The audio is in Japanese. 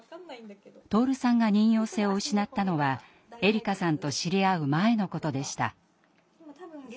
徹さんが妊よう性を失ったのはえりかさんと知り合う前のことでした。